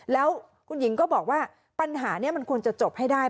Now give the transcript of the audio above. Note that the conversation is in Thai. แล้วคุณหญิงก็บอกว่าปัญหานี้มันควรจะจบให้ได้